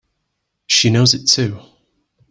She knows it too!